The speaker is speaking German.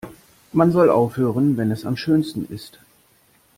Man soll aufhören, wenn es am schönsten ist.